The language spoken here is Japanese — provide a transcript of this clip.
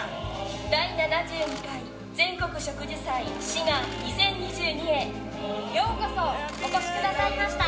第７２回全国植樹祭しが２０２２へようこそお越しくださいました。